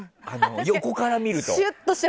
横から見ると。